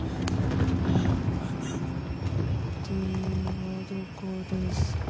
停はどこですか？